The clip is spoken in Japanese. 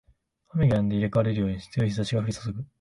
雨が止んだら入れ替わるように強い日差しが降りそそぐ